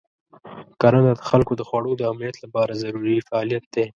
کرنه د خلکو د خوړو د امنیت لپاره ضروري فعالیت دی.